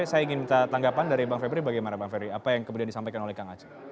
saya ingin minta tanggapan dari bang febri bagaimana bang ferry apa yang kemudian disampaikan oleh kang aceh